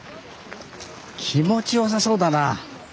気持ちよさそうだなあ！